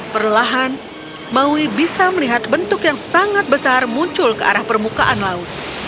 perlahan maui bisa melihat bentuk yang sangat besar muncul ke arah permukaan laut